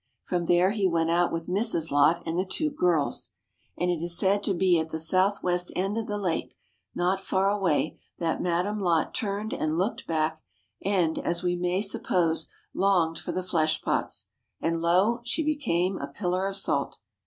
From there he went out with Mrs. Lot and the two girls. And it is said to be at the south west end of the lake, not far away, that Madame Lot turned and looked back and, as we may suppose, longed for the fleshpots. And lo! she became a pillar of salt.